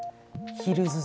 ヒルズ族。